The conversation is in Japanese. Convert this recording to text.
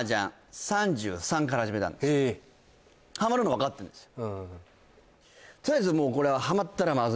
僕はへえハマるの分かってるんですよ